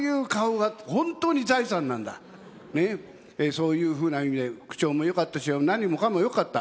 そういうふうな意味で口調もよかったし何もかもよかった。